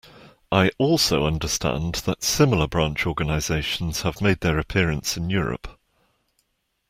I also understand that similar branch organizations have made their appearance in Europe.